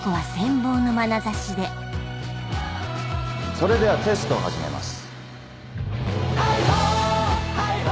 それではテストを始めます。